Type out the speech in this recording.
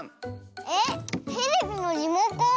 えっテレビのリモコン。